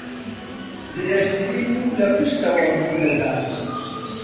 درێژترین موو لە پشتەوە ڕوو دەدات